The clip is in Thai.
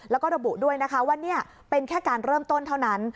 แล้วก็ระบุด้วยนะคะว่านี่เป็นแค่การเริ่มต้นเท่านั้น